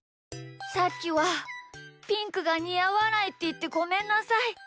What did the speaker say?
さっきはピンクがにあわないっていってごめんなさい。